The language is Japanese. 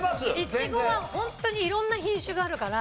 イチゴはホントに色んな品種があるから。